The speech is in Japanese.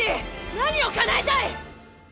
何をかなえたい？